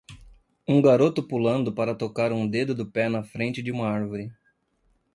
Um garoto pulando para tocar um dedo do pé na frente de uma árvore.